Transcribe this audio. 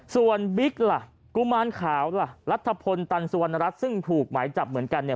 ส่วนบิ๊กล่ะกุมารขาวล่ะรัฐพลตันสุวรรณรัฐซึ่งถูกหมายจับเหมือนกันเนี่ย